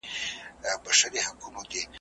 لا په هیله د دیدن یم له رویبار سره مي ژوند دی ,